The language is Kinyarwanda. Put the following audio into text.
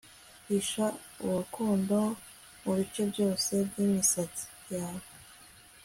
hisha urukundo mubice byose byimisatsi yawe